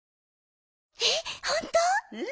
えっほんとう！？